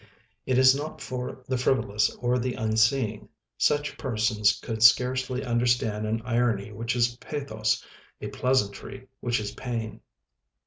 It is not for the frivolous or the unseeing, such persons could scarcely understand an irony which is pathos, a pleasantry which is pain.